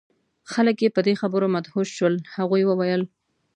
خلک یې په دې خبرو مدهوش شول. هغوی وویل: